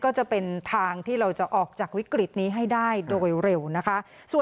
ก็จะเป็นทางที่เราจะออกจากวิกฤตนี้ให้ได้โดยเร็วนะคะ